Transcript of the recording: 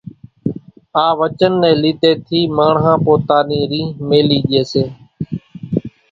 آ وچن ني ليڌي ٿي ماڻۿان پوتا نِي ريۿ ميلِي ڄي سي،